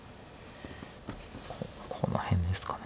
この辺ですかね。